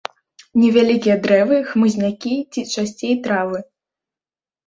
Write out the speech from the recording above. Невялікія дрэвы, хмызнякі ці часцей травы.